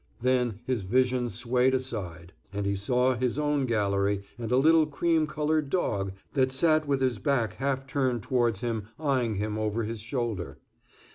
Then his vision swayed aside, and he saw his own gallery, and a little cream colored dog, that sat with his back half turned towards him, eying him over his shoulder.